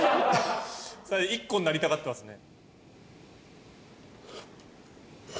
一個になりたがってますね。